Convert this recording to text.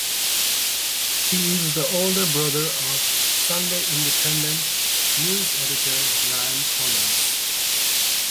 He is the older brother of "Sunday Independent" News Editor Liam Collins.